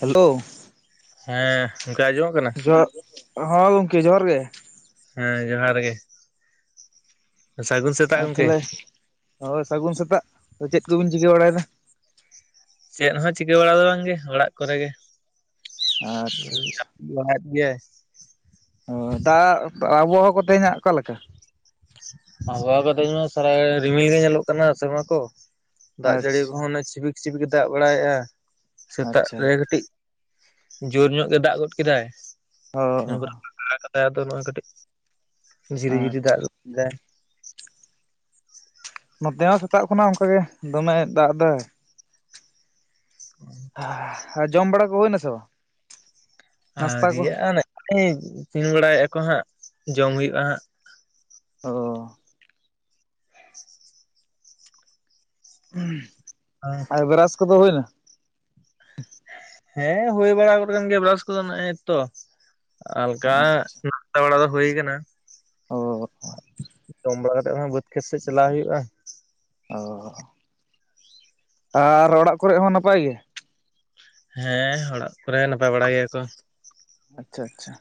Hello ᱦᱮᱸ ᱜᱚᱝᱠᱮ ᱟᱸᱡᱚᱢᱚᱜ ᱠᱟᱱᱟ [unintelligible] ᱦᱚᱸ ᱜᱚᱢᱠᱮ ᱡᱚᱦᱟᱨ ᱜᱮ ᱦᱮᱸ ᱡᱚᱦᱟᱨ ᱜᱮ ᱥᱟᱹᱜᱩᱱ [unintelligible] ᱟᱨ ᱛᱟᱦᱞᱮ ᱦᱳᱭ ᱥᱟᱹᱜᱩᱱ ᱥᱮᱛᱟᱜ ᱪᱮᱫ ᱠᱚᱵᱤᱱ ᱪᱤᱠᱟᱹ ᱵᱟᱲᱟᱭᱮᱫᱟ ᱪᱮᱫ ᱦᱚᱸ ᱪᱤᱠᱟᱹ ᱵᱟᱲᱟ ᱫᱚ ᱵᱟᱝᱜᱮ ᱚᱲᱟᱜ ᱠᱚᱨᱮ ᱜᱮ ᱾ ᱟᱪᱪᱷᱟ ᱟᱪᱪᱷᱟ [unintelligible] ᱜᱮ ᱚ ᱫᱟᱜ ᱟᱵᱚᱦᱚ ᱠᱚ ᱛᱮᱦᱮᱧᱟᱜ ᱚᱠᱟᱞᱮᱠᱟ? ᱟᱸᱜᱟᱣ ᱠᱟᱛᱮ ᱥᱟᱨᱟᱭ ᱨᱤᱢᱤᱞ ᱜᱮ ᱧᱮᱞᱚᱜ ᱠᱟᱱᱟ ᱥᱮᱨᱢᱟ ᱠᱚ᱾ ᱫᱟᱜ ᱡᱟᱹᱲᱤ ᱟᱪᱪᱷᱟ ᱠᱚᱦᱚᱸ ᱪᱷᱤᱵᱤᱠ ᱪᱷᱤᱵᱤᱠᱮ ᱫᱟᱜ ᱵᱟᱲᱟᱭᱮᱫ-ᱟ ᱥᱮᱛᱟᱜ ᱟᱪᱪᱷᱟ ᱨᱮ ᱠᱟᱹᱴᱤᱡ᱾ ᱡᱳᱨ ᱧᱚᱜ ᱜᱮ ᱫᱟᱜ ᱜᱚᱫ ᱠᱮᱫᱟᱭ᱾ ᱦᱳᱭ ᱦᱛᱫᱚ [unintelligible] ᱱᱚᱜᱚᱭ ᱠᱟᱹᱴᱤᱡ ᱡᱤᱨᱤ ᱟᱪᱪᱷᱟ ᱡᱤᱨᱤ ᱫᱟᱜ ᱮᱟᱭ᱾ ᱱᱚᱛᱮ ᱦᱚᱸ ᱥᱮᱛᱟᱜ ᱠᱷᱚᱱᱟᱜ ᱚᱱᱠᱟ ᱜᱮ ᱫᱚᱢᱮᱭ ᱫᱟᱜ ᱮᱫᱟᱭ᱾ ᱦᱩᱸ ᱟᱨ ᱡᱚᱢ ᱵᱟᱲᱟ ᱠᱚ ᱦᱩᱭᱱᱟ ᱥᱮ ᱵᱟᱝ? ᱱᱟᱥᱛᱟ ᱟᱹᱶᱨᱤ ᱠᱚ ᱟᱜ-ᱟ ᱱᱮᱜ-ᱮ ᱤᱥᱤᱱ ᱵᱟᱲᱟᱭᱮᱫ ᱟᱠᱚ ᱦᱟᱸᱜ ᱡᱚᱢ ᱦᱩᱭᱩᱜ-ᱟ ᱦᱟᱸᱜ᱾ ᱚ [inaudible] ᱩ ᱟᱨ ᱵᱨᱟᱥ ᱠᱚᱫᱚ ᱦᱩᱭᱱᱟ? ᱦᱮᱸ ᱦᱩᱭ ᱵᱟᱲᱟ ᱜᱚᱫ ᱠᱟᱱ ᱜᱮᱭᱟ ᱵᱨᱟᱥ ᱠᱚᱫᱚ ᱮᱜ-ᱮ ᱛᱚ ᱦᱟᱞᱠᱟ᱾ ᱟᱪᱪᱷᱟ ᱵᱟᱲᱟ ᱫᱚ ᱦᱩᱭ ᱠᱟᱱᱟ ᱚ ᱡᱚᱢ ᱵᱟᱲᱟ ᱠᱟᱛᱮ ᱦᱚᱸ ᱵᱟᱹᱫᱽ ᱠᱷᱮᱛ ᱥᱮᱫ ᱪᱟᱞᱟᱣ ᱦᱩᱭᱩᱜ-ᱟ᱾ ᱚ ᱟᱨ ᱚᱲᱟᱜ ᱠᱚᱨᱮ ᱦᱚᱸ ᱱᱟᱯᱟᱭ ᱜᱮ? ᱦᱮᱸ ᱚᱲᱟᱜ ᱠᱚᱨᱮ ᱱᱟᱯᱟᱭ ᱵᱟᱲᱟ ᱜᱮᱭᱟ ᱠᱚ᱾ ᱟᱪᱪᱷᱟ ᱟᱪᱪᱷᱟ!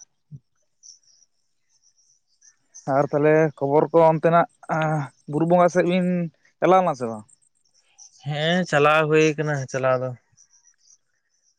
ᱟᱨ ᱛᱟᱦᱚᱞᱮ ᱠᱷᱚᱵᱚᱨ ᱠᱚ ᱚᱱᱛᱮᱱᱟᱜ ᱵᱩᱨᱩ ᱵᱚᱸᱜᱟ ᱥᱮᱫ ᱵᱤᱱ ᱪᱟᱞᱟᱣᱱᱟ ᱥᱮ ᱵᱟᱝ? ᱦᱮᱸ ᱪᱟᱞᱟᱣ ᱦᱩᱭ ᱟᱠᱟᱱᱟ ᱪᱟᱞᱟᱣ ᱫᱚ ᱾